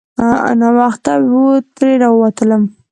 ناوخته وو ترې راووتلو.